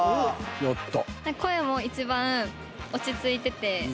やった。